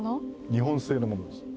日本製のものです。